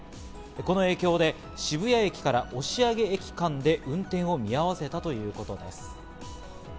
この影響で渋谷駅から押上駅間で運転を見合わせたということです。